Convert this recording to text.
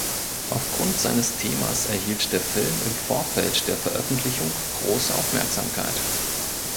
Aufgrund seines Themas erhielt der Film im Vorfeld der Veröffentlichung große Aufmerksamkeit.